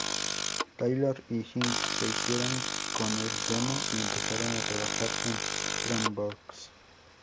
Taylor y Higgins se hicieron con el demo y empezaron a trabajar en Dreamworks.